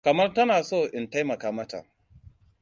Kamar tana son in taimaka mata.